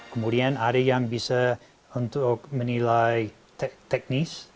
kemudian ada yang bisa untuk menilai teknis